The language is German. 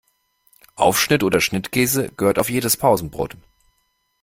Aufschnitt oder Schnittkäse gehört auf jedes Pausenbrot.